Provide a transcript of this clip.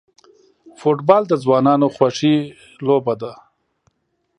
فوټبال د ځوانانو خوښی لوبه ده.